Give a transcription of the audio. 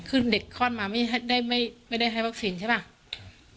คือเด็กคลอดมาไม่ได้ให้วัคซีนใช่ป่ะ